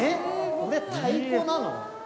これ太鼓なの？